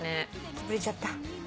つぶれちゃった。